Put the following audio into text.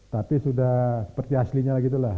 tapi sudah seperti aslinya lagi itulah